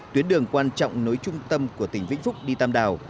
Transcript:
tuyến đường quan trọng nối trung tâm của tỉnh vĩnh phúc đi tam đào